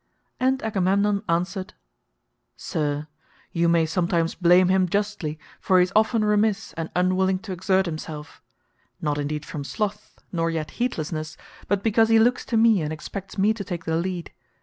And Agamemnon answered, "Sir, you may sometimes blame him justly, for he is often remiss and unwilling to exert himself—not indeed from sloth, nor yet heedlessness, but because he looks to me and expects me to take the lead.